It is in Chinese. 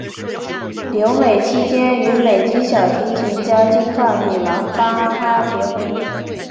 留美期间与美籍小提琴家金发女郎巴哈结婚。